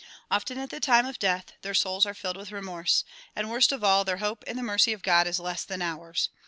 Often at the time of death their souls are filled with remorse, and worst of all, their hope in the mercy of God is less than ours.